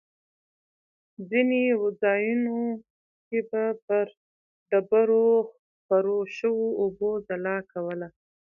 ځینې ځایونو کې به پر ډبرو خپرو شوو اوبو ځلا کوله.